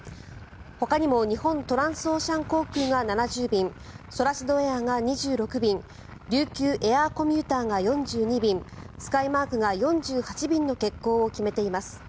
ほかにも日本トランスオーシャン航空が７０便ソラシドエアが２６便琉球エアーコミューターが４２便スカイマークが４８便の欠航を決めています。